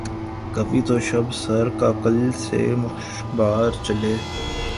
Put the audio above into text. کبھی تو شب سر کاکل سے مشکبار چلے